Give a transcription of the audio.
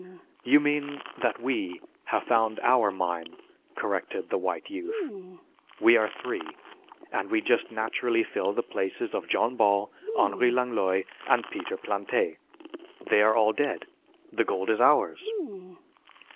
"You mean that we have found our mine," corrected the white youth. "We are three, and we just naturally fill the places of John Ball, Henri Langlois and Peter Plante. They are all dead. The gold is ours!"